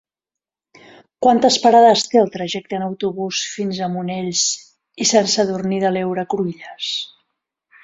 Quantes parades té el trajecte en autobús fins a Monells i Sant Sadurní de l'Heura Cruïlles?